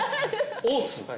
大津！